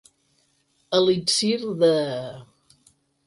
Elixir de...